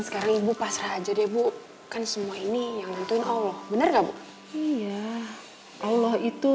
sekarang ibu pasrah aja deh bu kan semua ini yang nentuin allah benar nggak bu iya allah itu